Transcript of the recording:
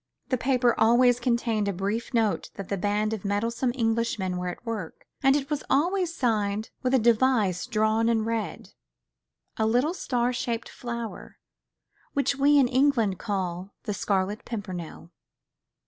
The paper always contained a brief notice that the band of meddlesome Englishmen were at work, and it was always signed with a device drawn in red—a little star shaped flower, which we in England call the Scarlet Pimpernel.